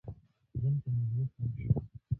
دلته مې زړه تنګ شو